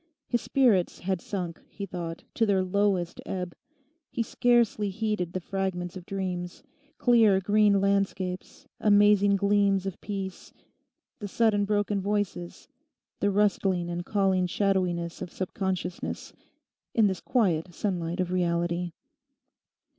His spirits had sunk, he thought, to their lowest ebb. He scarcely heeded the fragments of dreams—clear, green landscapes, amazing gleams of peace, the sudden broken voices, the rustling and calling shadowiness of subconsciousness—in this quiet sunlight of reality.